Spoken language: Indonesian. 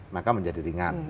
maka menjadi ringan